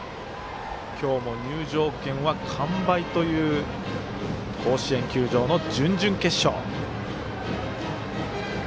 今日も入場券は完売という甲子園球場の準々決勝。